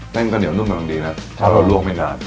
แส้นกระเหนียวนุ่มก็ดีนะเราลวกไม่นาน